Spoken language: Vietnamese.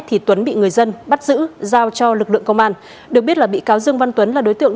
thì tuấn bị người dân bắt giữ giao cho lực lượng công an được biết là bị cáo dương văn tuấn là đối tượng